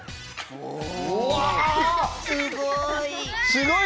すごい！